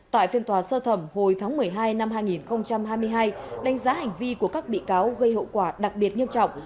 tại phiên tòa sơ thẩm hồi tháng một mươi hai năm hai nghìn hai mươi hai đánh giá hành vi của các bị cáo gây hậu quả đặc biệt nghiêm trọng